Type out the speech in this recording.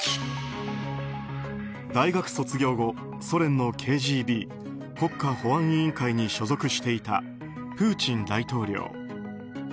大学卒業後、ソ連のＫＧＢ・国家保安委員会に所属していたプーチン大統領。